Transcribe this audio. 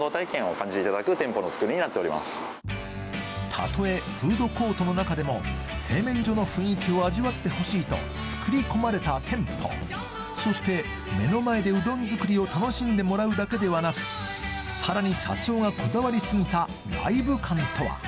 たとえフードコートの中でも製麺所の雰囲気を味わってほしいと作り込まれた店舗そして目の前でうどん作りを楽しんでもらうだけではなくさらに社長がこだわりすぎたライブ感とは？